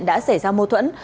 đã xảy ra mâu thuẫn